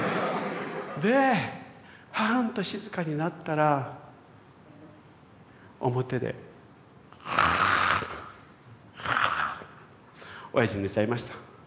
でパーンと静かになったら表でガーッガーッ。おやじ寝ちゃいました。